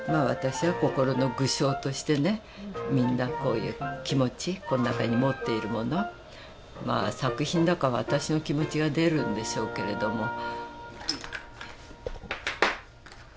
私は心の具象としてねみんなこういう気持ちこの中に持っているものまあ作品だから私の気持ちが出るんでしょうけれども。